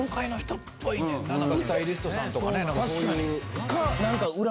スタイリストさんとかそういう。